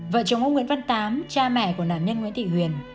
vợ chồng ông nguyễn văn tám cha mẹ của nàm nhân nguyễn tị quyền